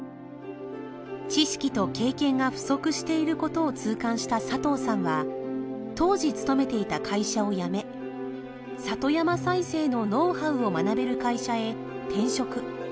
知識と経験が不足していることを痛感した佐藤さんは当時勤めていた会社を辞め里山再生のノウハウを学べる会社へ転職。